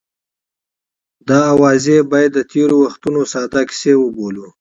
دا اوازې باید د تېرو وختونو ساده کیسه وبولو.